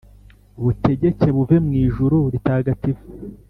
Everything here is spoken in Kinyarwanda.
Butegeke buve mu ijuru ritagatifu,